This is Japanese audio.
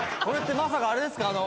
これってまさかあれですか？